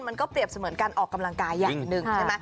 มันก็เปรียบเสมือนการออกกำลังกายอย่างหนึ่งใช่ไหม